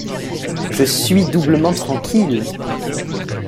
Je suis doublement tranquille !